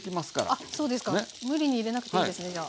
あそうですか。無理に入れなくていいんですねじゃあ。